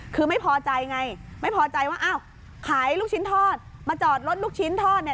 คือไม่พอใจไงไม่พอใจว่าอ้าวขายลูกชิ้นทอดมาจอดรถลูกชิ้นทอดเนี่ย